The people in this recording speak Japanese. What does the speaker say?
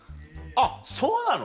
あっそうなの？